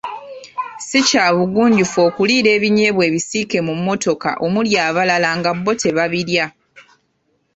Si kya bugunjufu okuliira ebinyeebwa ebisiike mu mmotoka omuli abalala nga bo tebabirya.